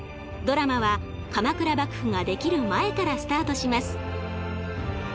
ドラマは鎌倉幕府が出来る前からスタートします。